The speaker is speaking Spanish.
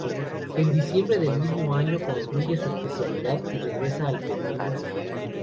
En diciembre del mismo año concluye su especialidad y regresa al Perú.